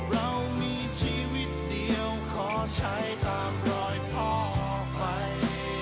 เรามีชีวิตเดียวขอใช้ตามรอยพ่อไป